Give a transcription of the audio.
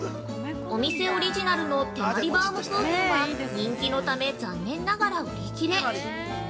お店オリジナルのてまりバウムクーヘンは、人気のため、残念ながら売り切れ。